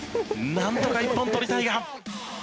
なんとか一本取りたいが。